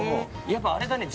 やっぱあれだね